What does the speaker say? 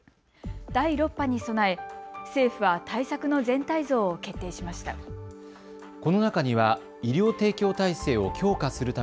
第６波に備え政府は対策の全体像を決定しました。